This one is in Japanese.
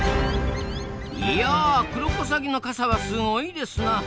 いやクロコサギの傘はすごいですな。